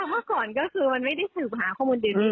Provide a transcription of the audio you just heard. คำว่าก่อนก็คือมันไม่ได้ถือมาข้อมูลเดียวนี้